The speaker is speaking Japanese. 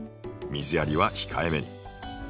水やりは控えめに。